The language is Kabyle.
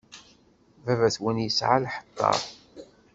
Baba-twen yesɛa lḥeṭṭa.